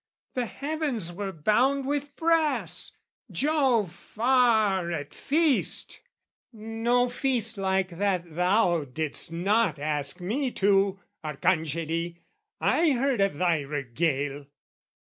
The heavens were bound with brass, Jove far at feast (No feast like that thou didst not ask me to, Arcangeli, I heard of thy regale!)